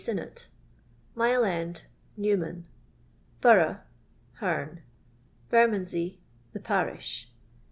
SinnotL Mile end Newman. Borough .. Hcanie. Bermondsey The parish.